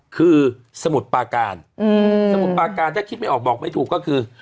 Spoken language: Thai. คือสมุดปาการสมุดปาการถ้าคิดไม่ออกบอกไม่ถูกก็คือ